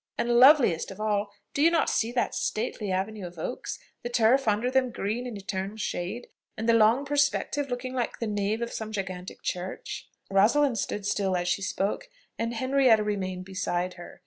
and, loveliest of all, do you not see that stately avenue of oaks, the turf under them green in eternal shade, and the long perspective, looking like the nave of some gigantic church?" Rosalind stood still as she spoke, and Henrietta remained beside her.